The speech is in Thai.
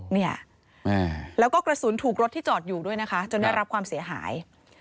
เนี่ยแล้วก็กระสุนถูกรถที่จอดอยู่ด้วยนะคะจนได้รับความเสียหาย